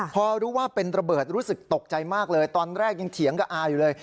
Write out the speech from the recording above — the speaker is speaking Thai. พอรู้ว่าเป็นระเบิดรู้สึกตกใจมากเลยตอนแรกยังเถียงกับอาอยู่เลย